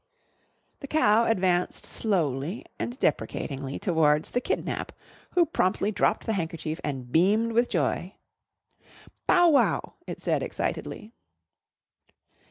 The cow advanced slowly and deprecatingly towards the "kidnap," who promptly dropped the handkerchief and beamed with joy. "Bow wow!" it said excitedly.